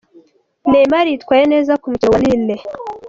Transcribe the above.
Neymar yitwaye neza ku mukino wa Lille.